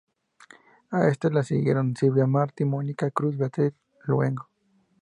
A este le siguieron Silvia Marty, Mónica Cruz y Beatriz Luengo.